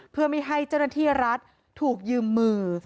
เพื่อไม่ให้เจ้าหน้าที่รัฐถูกยืมมือ